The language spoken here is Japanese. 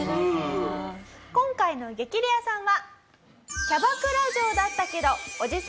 今回の激レアさんは。